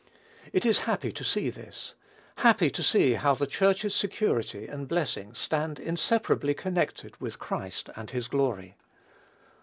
It is happy to see this. Happy to see how the Church's security and blessing stand inseparably connected with Christ and his glory.